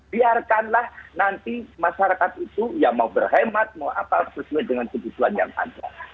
biarkanlah nanti masyarakat itu ya mau berhemat mau apa sesuai dengan kebutuhan yang ada